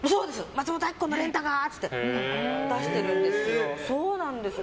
松本明子のレンタカーって出してるんですよ。